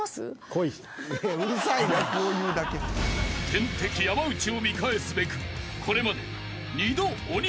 ［天敵山内を見返すべくこれまで］